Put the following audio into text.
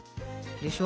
でしょ？